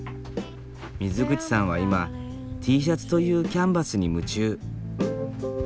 水口さんは今Ｔシャツというキャンバスに夢中。